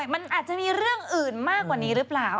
มันอาจจะมีเรื่องอื่นมากกว่านี้หรือเปล่า